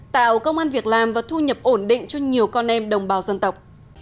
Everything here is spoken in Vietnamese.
tạo công an việc làm và thu nhập ổn định cho nhiều con em đồng bào dân tộc